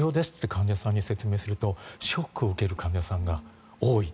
患者さんに説明するとショックを受ける患者さんが多い。